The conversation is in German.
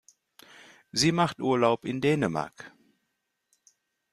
Sie macht Urlaub in Dänemark.